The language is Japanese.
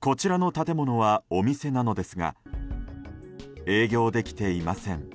こちらの建物はお店なのですが営業できていません。